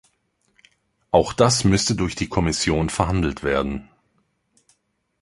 Auch das müsste durch die Kommission verhandelt werden.